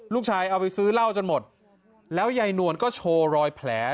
เอาไปซื้อเหล้าจนหมดแล้วยายนวลก็โชว์รอยแผล